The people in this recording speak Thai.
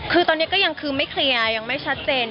คือตอนนี้ก็ยังคือไม่เคลียร์ยังไม่ชัดเจน